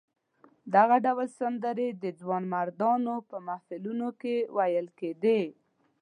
دغه ډول سندرې د ځوانمردانو په محفلونو کې ویل کېدې.